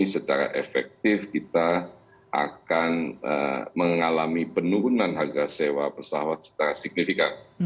secara efektif kita akan mengalami penurunan harga sewa pesawat secara signifikan